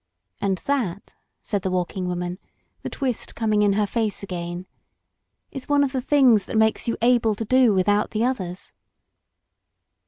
And that," said the Walking Woman, the twist coming in her face again, "is one of the things that make you able to do without the others."